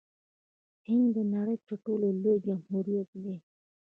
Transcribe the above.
هند د نړۍ تر ټولو لوی جمهوریت دی.